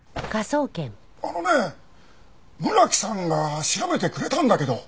あのね村木さんが調べてくれたんだけど